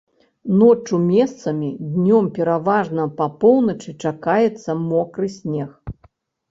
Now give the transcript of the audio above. Ноччу месцамі, днём пераважна па поўначы чакаецца мокры снег.